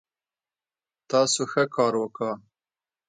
تاسو ښه کار وکړ